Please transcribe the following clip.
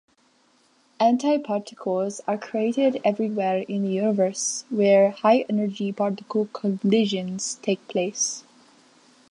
Antiparticles are created everywhere in the universe where high-energy particle collisions take place.